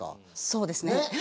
そうですね。